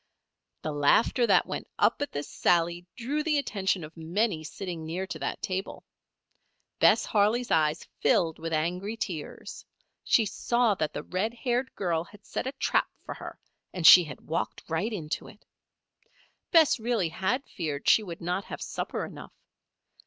The laughter that went up at this sally drew the attention of many sitting near to that table. Bess Harley's eyes filled with angry tears. She saw that the red haired girl had set a trap for her, and she had walked right into it. Bess really had feared she would not have supper enough.